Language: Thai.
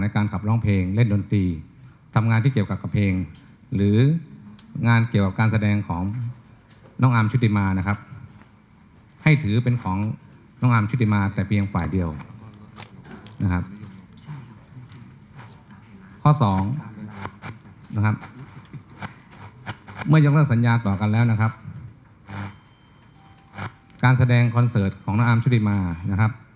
การแสดงคอนเสิร์ตของน้องอาร์มชุดิมานะครับ